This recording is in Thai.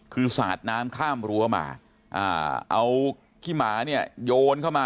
คือสาดน้ำข้ามรั้วมาเอาขี้หมาเนี่ยโยนเข้ามา